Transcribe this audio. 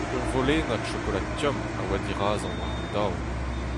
Ur volennad chokolad tomm a oa dirazañ war an daol.